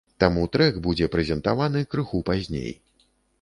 Таму трэк будзе прэзентаваны крыху пазней.